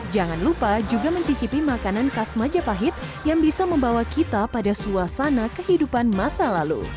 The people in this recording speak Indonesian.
jangan lupa juga mencicipi makanan khas majapahit yang bisa membawa kita pada suasana kehidupan masa lalu